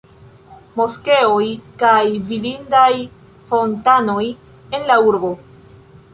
Moskeoj kaj vidindaj fontanoj en la urbo.